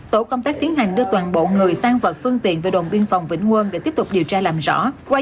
tổ công tác tiến hành đưa toàn bộ người tan vật phương tiện về đồn biên phòng vĩnh quân để tiếp tục điều tra làm rõ